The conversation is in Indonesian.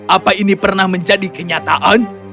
apa ini pernah menjadi kenyataan